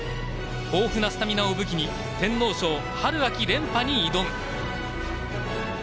豊富なスタミナを武器に天皇賞、春・秋連覇に挑む。